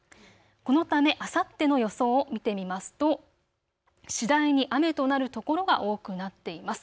このため、あさっての予想を見てみますと次第に雨となる所が多くなっています。